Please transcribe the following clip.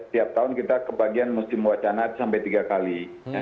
tiap tahun kita kebagian musim wacana sampai tiga kali